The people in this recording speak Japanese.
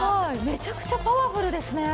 めちゃくちゃパワフルですね。